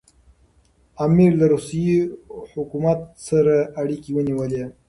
امیر له روسي حکومت سره اړیکي ونیولې.